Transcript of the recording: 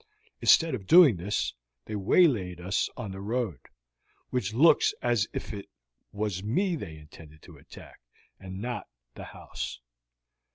Instead of doing this they waylaid us on the road, which looks as if it was me they intended to attack, and not the house."